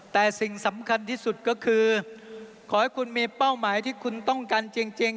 แต่สิ่งสำคัญที่สุดก็คือขอให้คุณมีเป้าหมายที่คุณต้องการจริง